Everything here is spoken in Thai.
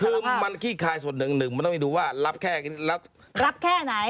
คือมันขี้คายส่วนหนึ่งหนึ่งมันต้องไปดูว่ารับแค่รับแค่ไหน